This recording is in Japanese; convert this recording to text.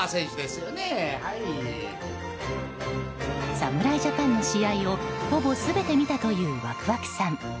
侍ジャパンの試合をほぼ全て見たというワクワクさん。